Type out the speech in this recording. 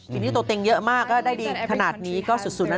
ทีนี้ตัวเต็งเยอะมากก็ได้ดีขนาดนี้ก็สุดนะ